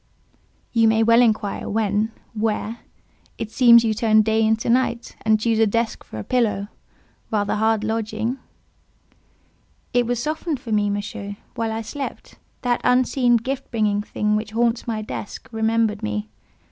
"You may well inquire when—where. It seems you turn day into night, and choose a desk for a pillow; rather hard lodging—?" "It was softened for me, Monsieur, while I slept. That unseen, gift bringing thing which haunts my desk, remembered me.